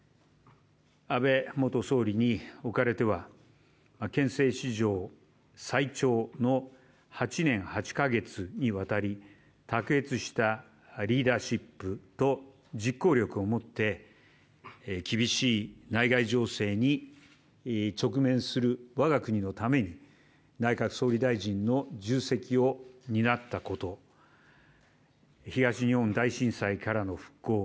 安倍元総理におかれては憲政史上最長の８年８か月にわたり卓越したリーダーシップと実行力を持って厳しい内外情勢に直面する我が国のために内閣総理大臣の重責を担ったこと東日本大震災からの復興